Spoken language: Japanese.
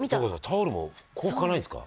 タオルもこう拭かないんですか？